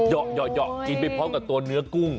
กินไปพร้อมกับตัวเนื้อกุ้ง